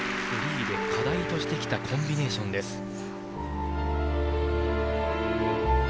課題としてきたコンビネーションです。